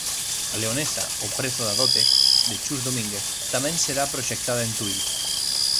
A leonesa, O prezo da Dote, de Chus Domínguez, tamén será proxectada en Tui.